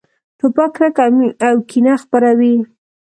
توپک کرکه او کینه خپروي.